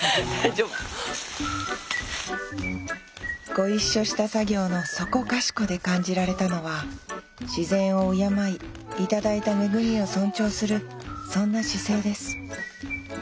ご一緒した作業のそこかしこで感じられたのは自然を敬い頂いた恵みを尊重するそんな姿勢です。